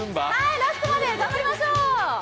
ラストまで頑張りましょう。